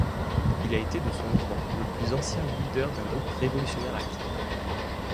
Il a été de son vivant le plus ancien leader d'un groupe révolutionnaire actif.